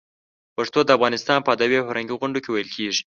پښتو د افغانستان په ادبي او فرهنګي غونډو کې ویلې کېږي.